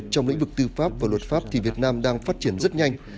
trong lĩnh vực tư pháp và luật pháp thì việt nam đang phát triển rất nhanh